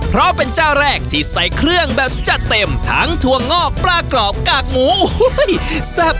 เพราะเป็นเจ้าแรกที่ใส่เครื่องแบบจัดเต็มทั้งถั่วงอกปลากรอบกากหมูโอ้โหแซ่บ